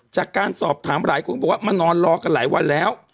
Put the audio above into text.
จากการสอบถามหลายคนก็บอกว่ามานอนรอกันหลายวันแล้ว